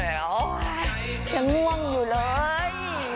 แหล่วยังง่วงอยู่เลย